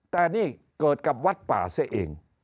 แต่นี่เกิดกับวัดป่าซะเอง